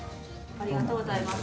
ありがとうございます。